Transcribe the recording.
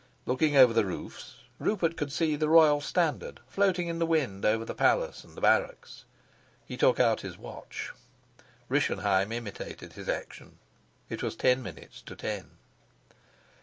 Looking over the roofs, Rupert could see the royal standard floating in the wind over the palace and the barracks. He took out his watch; Rischenheim imitated his action; it was ten minutes to ten.